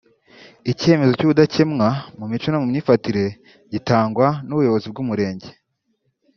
icyemezo cy’ubudakemwa mu mico no mu myifatire gitangwa n’ubuyobozi bw’Umurenge